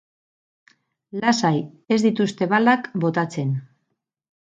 Lasai, ez dituzte balak botatzen.